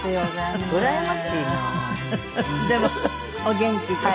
でもお元気で。